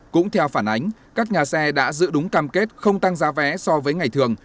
cũng theo phản ánh các nhà xe đã giữ đúng cam kết không tăng giá vé so với ngày thường